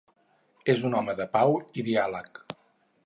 És un home de pau i diàleg.